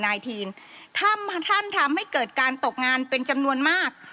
ทีนถ้าท่านทำให้เกิดการตกงานเป็นจำนวนมาก